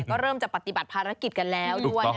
ก็เริ่มจะปฏิบัติภารกิจกันแล้วด้วยนะคะ